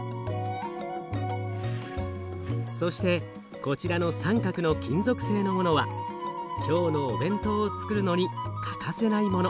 そしてこちらの三角の金属性のものは今日のお弁当をつくるのに欠かせないもの。